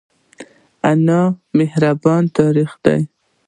انا د مهربانۍ تعریف ده